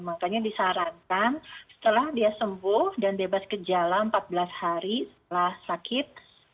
makanya disarankan setelah dia sembuh dan bebas gejala empat belas hari setelah sakit